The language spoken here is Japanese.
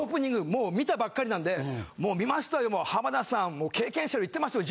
もう見たばっかりなんで「もう見ましたよ浜田さんも経験者言ってましたよ